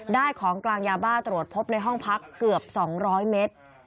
ของกลางยาบ้าตรวจพบในห้องพักเกือบ๒๐๐เมตร